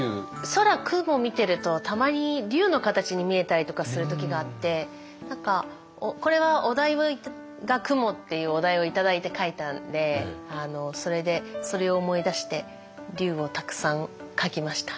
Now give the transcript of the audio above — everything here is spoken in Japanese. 空雲見てるとたまに竜の形に見えたりとかする時があって何かこれはお題が「雲」っていうお題を頂いて描いたんでそれでそれを思い出して竜をたくさん描きました。